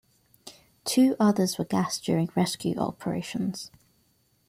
Two others were gassed during rescue operations.